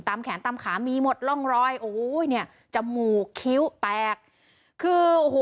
แขนตามขามีหมดร่องรอยโอ้โหเนี่ยจมูกคิ้วแตกคือโอ้โห